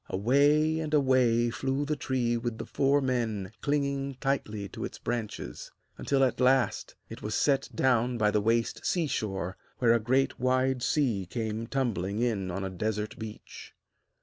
Away and away flew the tree with the four men clinging tightly to its branches, until at last it was set down by the waste sea shore where a great wide sea came tumbling in on a desert beach.